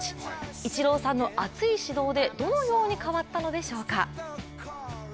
イチローさんの熱い指導でどのように変わったのでしょうか。